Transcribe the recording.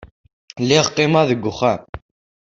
Idda Masin d Sifaw s Tinmel.